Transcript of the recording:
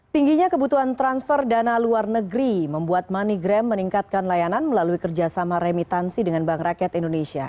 tingginya kebutuhan transfer dana luar negeri membuat moneygram meningkatkan layanan melalui kerjasama remitansi dengan bank rakyat indonesia